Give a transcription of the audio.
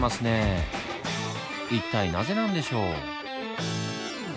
一体なぜなんでしょう？